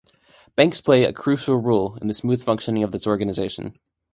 Banks play a crucial role in the smooth functioning of this organization.